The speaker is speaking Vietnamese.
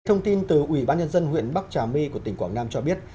thông tin từ ubnd huyện bắc trà my của tỉnh quảng nam cho biết